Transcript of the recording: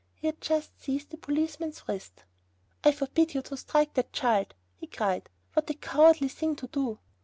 He had just seized the policeman's wrist. "I forbid you to strike that child," he cried, "what a cowardly thing to do!"